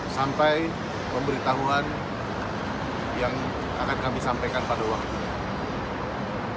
sampai memberi tahuan yang akan kami sampaikan pada waktu